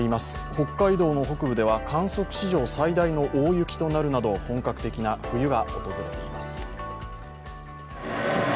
北海道の北部では観測史上最大の大雪となるなど本格的な冬が訪れています。